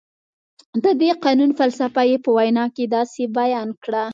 د دې قانون فلسفه یې په وینا کې داسې بیان کړه.